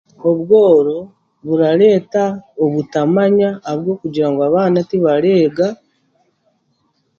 Obworo burareeta obutamanya ahabwokugira ngu abaana tibareega